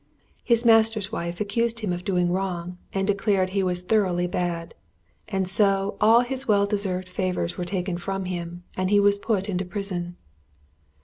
His master's wife accused him of doing wrong, and declared he was thoroughly bad. And so all his well deserved favours were taken from him, and he was put into prison.